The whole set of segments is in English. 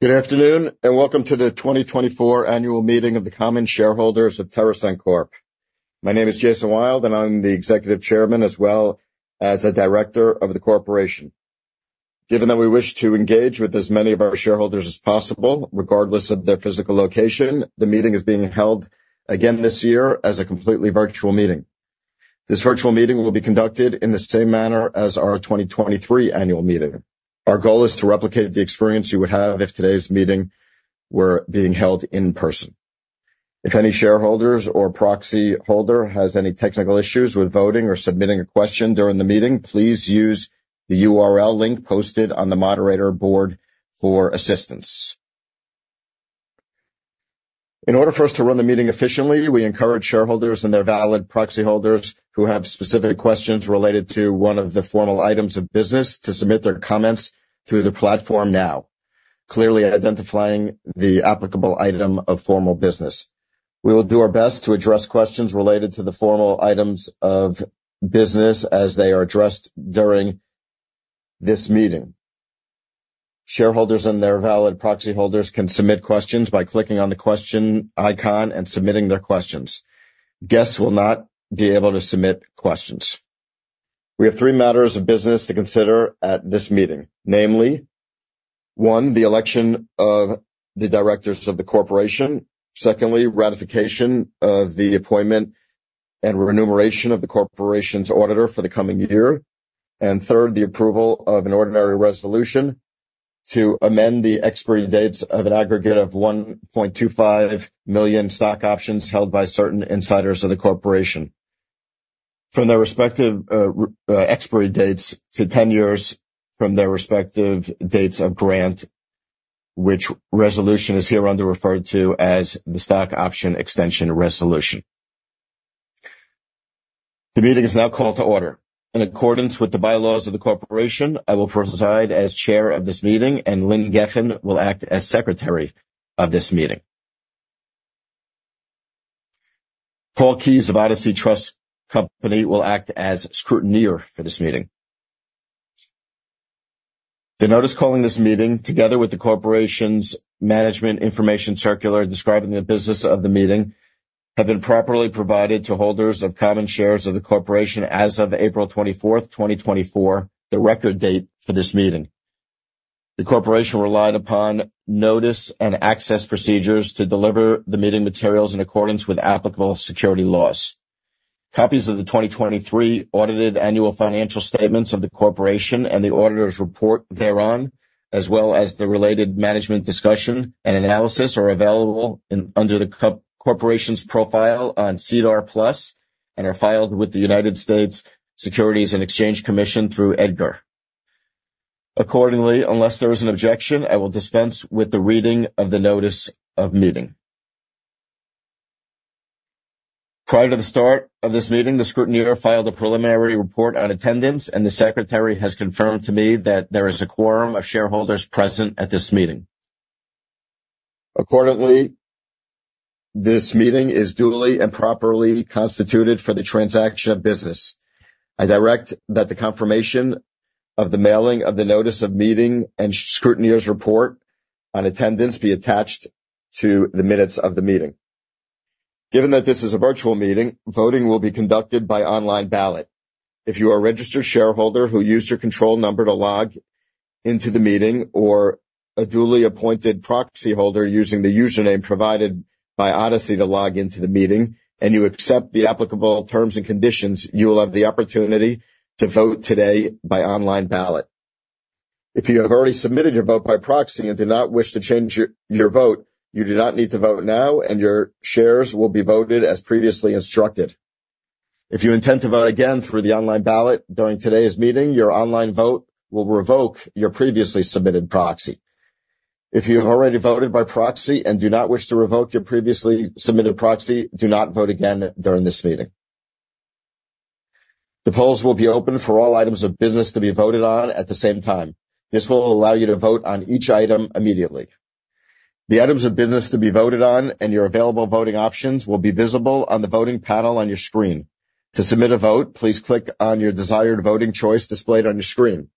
Good afternoon, and welcome to the 2024 Annual Meeting of the Common Shareholders of TerrAscend Corp. My name is Jason Wild, and I'm the Executive Chairman as well as a Director of the corporation. Given that we wish to engage with as many of our shareholders as possible, regardless of their physical location, the meeting is being held again this year as a completely virtual meeting. This virtual meeting will be conducted in the same manner as our 2023 annual meeting. Our goal is to replicate the experience you would have if today's meeting were being held in person. If any shareholders or proxy holder has any technical issues with voting or submitting a question during the meeting, please use the URL link posted on the moderator board for assistance. In order for us to run the meeting efficiently, we encourage shareholders and their valid proxy holders who have specific questions related to one of the formal items of business, to submit their comments through the platform now, clearly identifying the applicable item of formal business. We will do our best to address questions related to the formal items of business as they are addressed during this meeting. Shareholders and their valid proxy holders can submit questions by clicking on the question icon and submitting their questions. Guests will not be able to submit questions. We have three matters of business to consider at this meeting. Namely, one, the election of the directors of the corporation. Secondly, ratification of the appointment and remuneration of the corporation's auditor for the coming year. And third, the approval of an ordinary resolution to amend the expiry dates of an aggregate of 1.25 million stock options held by certain insiders of the corporation. From their respective expiry dates to 10 years from their respective dates of grant, which resolution is hereunder referred to as the Stock Option Extension Resolution. The meeting is now called to order. In accordance with the bylaws of the corporation, I will preside as Chair of this meeting, and Lynn Gefen will act as Secretary of this meeting. Paul Keyes of Odyssey Trust Company will act as Scrutineer for this meeting. The notice calling this meeting, together with the corporation's Management Information Circular, describing the business of the meeting, have been properly provided to holders of common shares of the corporation as of April 24, 2024, the record date for this meeting. The corporation relied upon notice and access procedures to deliver the meeting materials in accordance with applicable securities laws. Copies of the 2023 audited annual financial statements of the corporation and the auditor's report thereon, as well as the related Management's Discussion and Analysis, are available under the corporation's profile on SEDAR+, and are filed with the United States Securities and Exchange Commission through EDGAR. Accordingly, unless there is an objection, I will dispense with the reading of the notice of meeting. Prior to the start of this meeting, the scrutineer filed a preliminary report on attendance, and the secretary has confirmed to me that there is a quorum of shareholders present at this meeting. Accordingly, this meeting is duly and properly constituted for the transaction of business. I direct that the confirmation of the mailing of the notice of meeting and scrutineer's report on attendance be attached to the minutes of the meeting. Given that this is a virtual meeting, voting will be conducted by online ballot. If you are a registered shareholder who used your control number to log into the meeting or a duly appointed proxy holder using the username provided by Odyssey to log into the meeting, and you accept the applicable terms and conditions, you will have the opportunity to vote today by online ballot. If you have already submitted your vote by proxy and do not wish to change your vote, you do not need to vote now, and your shares will be voted as previously instructed. If you intend to vote again through the online ballot during today's meeting, your online vote will revoke your previously submitted proxy. If you have already voted by proxy and do not wish to revoke your previously submitted proxy, do not vote again during this meeting. The polls will be open for all items of business to be voted on at the same time. This will allow you to vote on each item immediately. The items of business to be voted on and your available voting options will be visible on the voting panel on your screen. To submit a vote, please click on your desired voting choice displayed on your screen.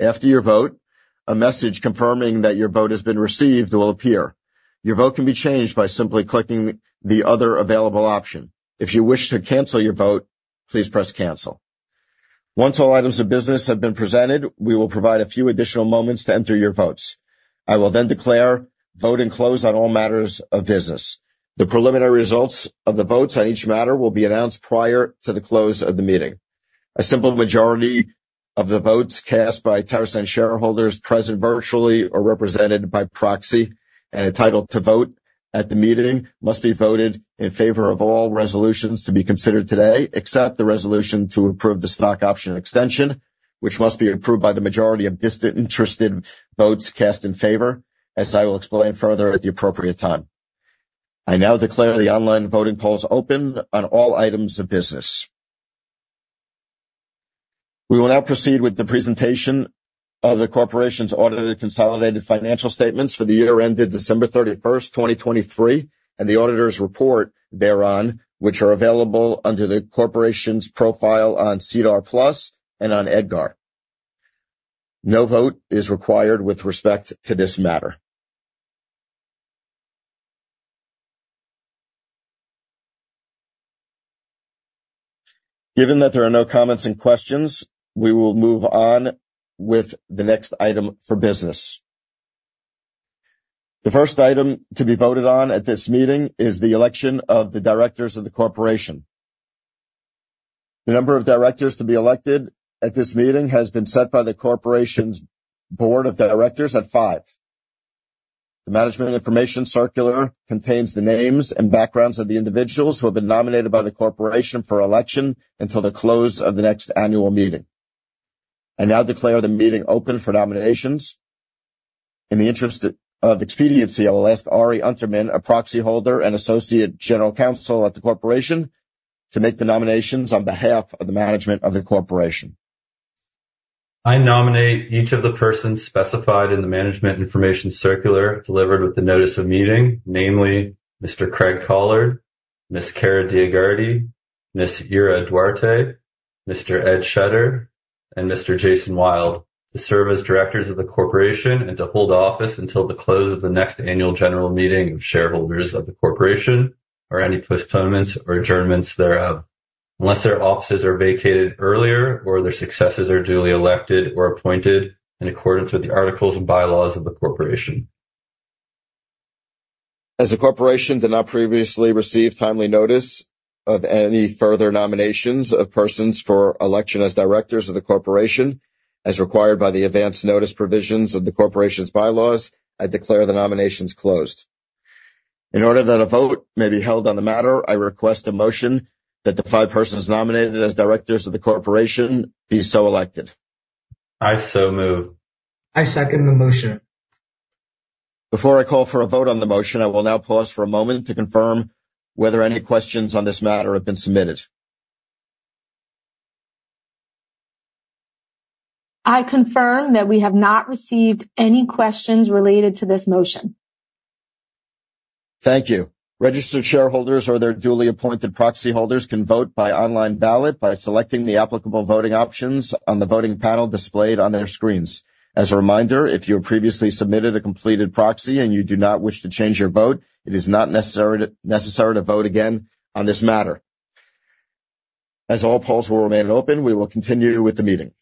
After you vote, a message confirming that your vote has been received will appear. Your vote can be changed by simply clicking the other available option. If you wish to cancel your vote, please press Cancel. Once all items of business have been presented, we will provide a few additional moments to enter your votes. I will then declare voting close on all matters of business. The preliminary results of the votes on each matter will be announced prior to the close of the meeting. A simple majority of the votes cast by TerrAscend shareholders present, virtually or represented by proxy and entitled to vote at the meeting, must be voted in favor of all resolutions to be considered today, except the resolution to approve the stock option extension, which must be approved by the majority of disinterested votes cast in favor, as I will explain further at the appropriate time. I now declare the online voting polls open on all items of business. We will now proceed with the presentation of the corporation's audited consolidated financial statements for the year ended December 31, 2023, and the auditor's report thereon, which are available under the corporation's profile on SEDAR+ and on EDGAR. No vote is required with respect to this matter. Given that there are no comments and questions, we will move on with the next item for business. The first item to be voted on at this meeting is the election of the directors of the corporation. The number of directors to be elected at this meeting has been set by the corporation's board of directors at five. The Management Information Circular contains the names and backgrounds of the individuals who have been nominated by the corporation for election until the close of the next annual meeting. I now declare the meeting open for nominations. In the interest of expediency, I will ask Ari Unterman, a proxy holder and Associate General Counsel at the corporation, to make the nominations on behalf of the management of the corporation. I nominate each of the persons specified in the management information circular delivered with the notice of meeting, namely Mr. Craig Collard, Ms. Kara DioGuardi, Ms. Ira Duarte, Mr. Ed Schutter, and Mr. Jason Wild, to serve as directors of the corporation and to hold office until the close of the next annual general meeting of shareholders of the corporation, or any postponements or adjournments thereof, unless their offices are vacated earlier or their successors are duly elected or appointed in accordance with the articles and bylaws of the corporation. As the corporation did not previously receive timely notice of any further nominations of persons for election as directors of the corporation, as required by the advance notice provisions of the corporation's bylaws, I declare the nominations closed. In order that a vote may be held on the matter, I request a motion that the five persons nominated as directors of the corporation be so elected. I so move. I second the motion. Before I call for a vote on the motion, I will now pause for a moment to confirm whether any questions on this matter have been submitted. I confirm that we have not received any questions related to this motion. Thank you. Registered shareholders or their duly appointed proxy holders can vote by online ballot by selecting the applicable voting options on the voting panel displayed on their screens. As a reminder, if you have previously submitted a completed proxy and you do not wish to change your vote, it is not necessary to vote again on this matter. As all polls will remain open, we will continue with the meeting.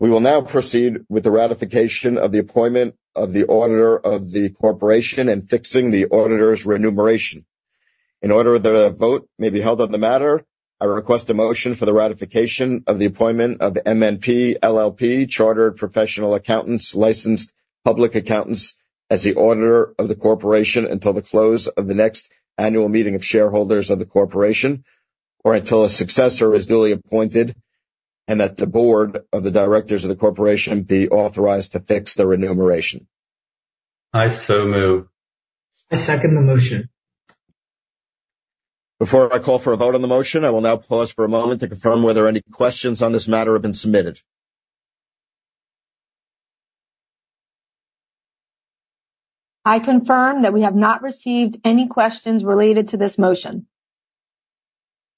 We will now proceed with the ratification of the appointment of the auditor of the corporation and fixing the auditor's remuneration. In order that a vote may be held on the matter, I request a motion for the ratification of the appointment of MNP LLP, Chartered Professional Accountants, licensed public accountants, as the auditor of the corporation until the close of the next annual meeting of shareholders of the corporation, or until a successor is duly appointed, and that the board of the directors of the corporation be authorized to fix the remuneration. I so move. I second the motion. Before I call for a vote on the motion, I will now pause for a moment to confirm whether any questions on this matter have been submitted. I confirm that we have not received any questions related to this motion.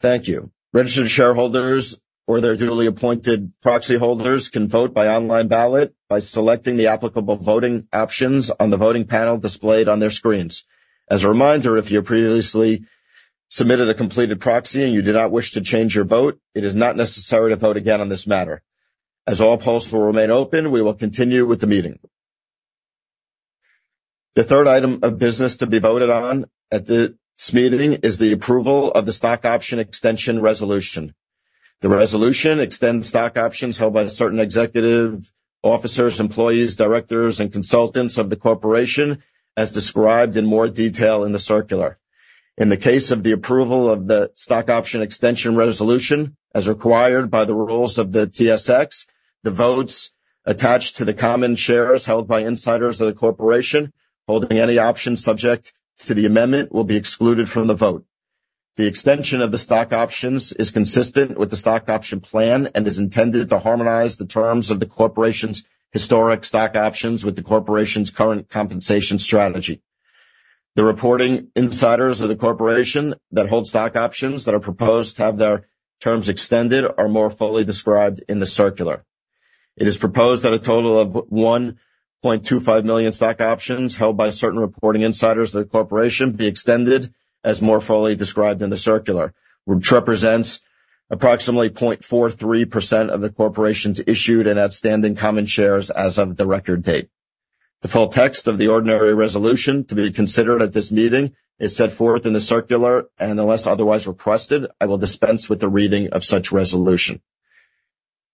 Thank you. Registered shareholders or their duly appointed proxy holders can vote by online ballot by selecting the applicable voting options on the voting panel displayed on their screens. As a reminder, if you previously submitted a completed proxy and you do not wish to change your vote, it is not necessary to vote again on this matter. As all polls will remain open, we will continue with the meeting. The third item of business to be voted on at this meeting is the approval of the Stock Option Extension Resolution. The resolution extends stock options held by certain executive officers, employees, directors, and consultants of the corporation, as described in more detail in the circular. In the case of the approval of the stock option extension resolution, as required by the rules of the TSX, the votes attached to the common shares held by insiders of the corporation, holding any options subject to the amendment, will be excluded from the vote. The extension of the stock options is consistent with the stock option plan and is intended to harmonize the terms of the corporation's historic stock options with the corporation's current compensation strategy. The reporting insiders of the corporation that hold stock options that are proposed to have their terms extended are more fully described in the circular. It is proposed that a total of 1.25 million stock options held by certain reporting insiders of the corporation be extended, as more fully described in the circular, which represents approximately 0.43% of the corporation's issued and outstanding Common Shares as of the record date. The full text of the ordinary resolution to be considered at this meeting is set forth in the circular, and unless otherwise requested, I will dispense with the reading of such resolution.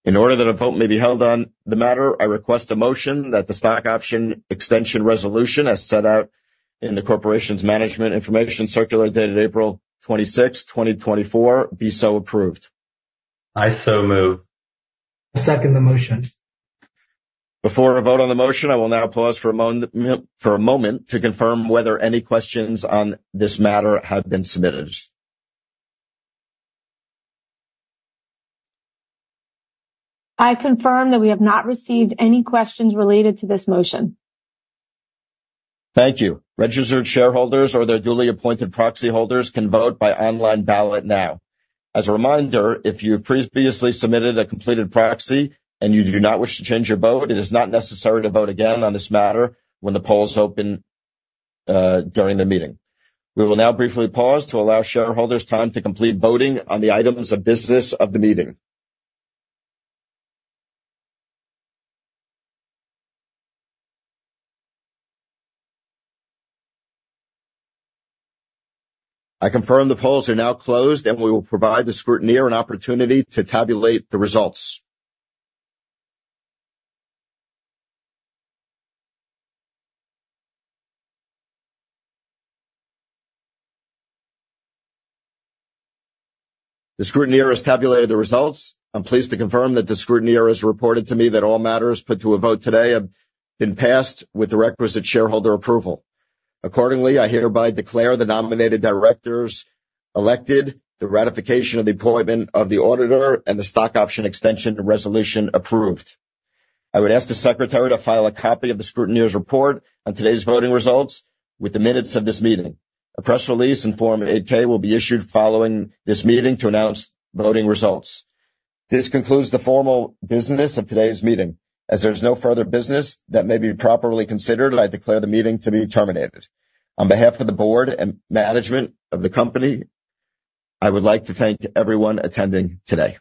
In order that a vote may be held on the matter, I request a motion that the stock option extension resolution, as set out in the corporation's Management Information Circular, dated April 26, 2024, be so approved. I so move. I second the motion. Before I vote on the motion, I will now pause for a moment to confirm whether any questions on this matter have been submitted. I confirm that we have not received any questions related to this motion. Thank you. Registered shareholders or their duly appointed proxy holders can vote by online ballot now. As a reminder, if you've previously submitted a completed proxy and you do not wish to change your vote, it is not necessary to vote again on this matter when the poll is open during the meeting. We will now briefly pause to allow shareholders time to complete voting on the items of business of the meeting. I confirm the polls are now closed, and we will provide the scrutineer an opportunity to tabulate the results. The scrutineer has tabulated the results. I'm pleased to confirm that the scrutineer has reported to me that all matters put to a vote today have been passed with the requisite shareholder approval. Accordingly, I hereby declare the nominated directors elected, the ratification of the appointment of the auditor, and the stock option extension resolution approved. I would ask the secretary to file a copy of the scrutineer's report on today's voting results with the minutes of this meeting. A press release and Form 8-K will be issued following this meeting to announce voting results. This concludes the formal business of today's meeting. As there's no further business that may be properly considered, I declare the meeting to be terminated. On behalf of the board and management of the company, I would like to thank everyone attending today.